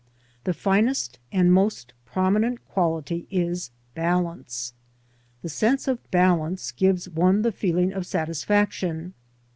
The finest and most prominent quality is balance; the sense of balance gives one 4 '^ the feeling of satisfaction.